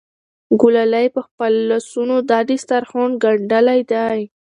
ګلالۍ په خپلو لاسونو دا دسترخوان ګنډلی دی.